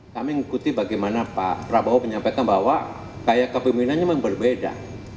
kami mengikuti bagaimana pak prabowo menyampaikan bahwa gaya kepemimpinannya memang berbeda